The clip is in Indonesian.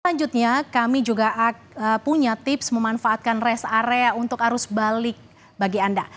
selanjutnya kami juga punya tips memanfaatkan rest area untuk arus balik bagi anda